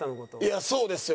いやそうですよ。